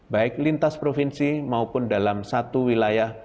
baik lintas provinsi maupun dalam satu wilayah